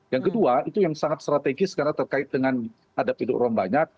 yang kedua itu yang sangat strategis karena terkait dengan ada penduduk orang banyak